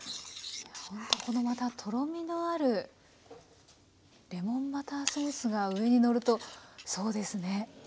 このまたとろみのあるレモンバターソースが上にのるとそうですね